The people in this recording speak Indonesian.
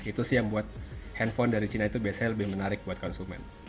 itu sih yang buat handphone dari china itu biasanya lebih menarik buat konsumen